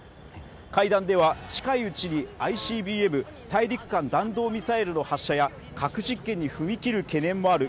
会談では近いうちに大陸間弾道ミサイルの発射や核実験に踏み切る懸念もある